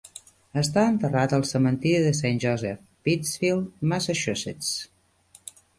Està enterrat al cementiri de Saint Joseph, Pittsfield, Massachusetts.